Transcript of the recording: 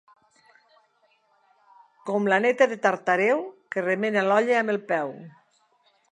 Com la neta de Tartareu, que remena l'olla amb el peu.